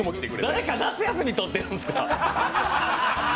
誰か夏休みとってるんですか？